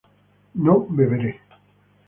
no beberé